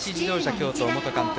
京都元監督